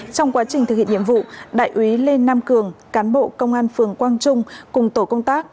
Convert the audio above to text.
trong quá trình thực hiện nhiệm vụ đại úy lê nam cường cán bộ công an phường quang trung cùng tổ công tác